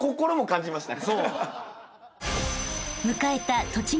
［迎えた］